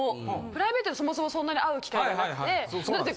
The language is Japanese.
プライベートでそもそもそんなに会う機会がなくて。